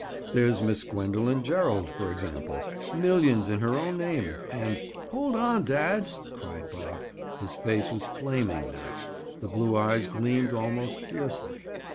"There's Miss Gwendoline Gerald, for example. Millions in her own name, and—" "Hold on, dad!" cried Bob. His face was flaming now. The blue eyes gleamed almost fiercely.